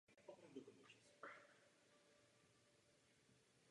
Poté nastoupil na teologickou fakultu Vídeňské univerzity.